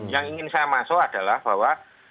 yang ingin saya masuk adalah bahwa